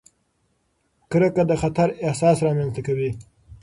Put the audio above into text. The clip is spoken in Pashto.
کرکه د خطر احساس رامنځته کوي.